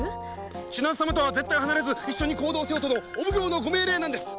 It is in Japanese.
千奈津様とは絶対離れず一緒に行動せよとのお奉行のご命令なんです！